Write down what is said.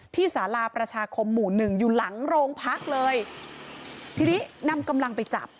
สาราประชาคมหมู่หนึ่งอยู่หลังโรงพักเลยทีนี้นำกำลังไปจับ